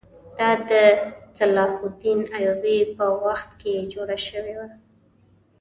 دا د صلاح الدین ایوبي په وخت کې جوړه شوې ده.